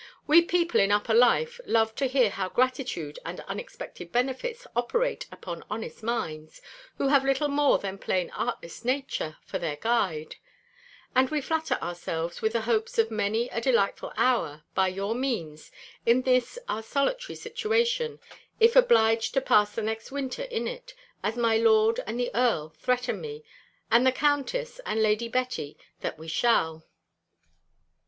We people in upper life love to hear how gratitude and unexpected benefits operate upon honest minds, who have little more than plain artless nature for their guide; and we flatter ourselves with the hopes of many a delightful hour, by your means, in this our solitary situation, if obliged to pass the next winter in it, as my lord and the earl threaten me, and the countess, and Lady Betty, that we shall.